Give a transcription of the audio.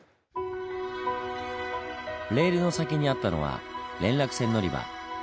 レールの先にあったのは連絡船乗り場。